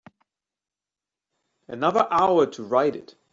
Another hour to write it.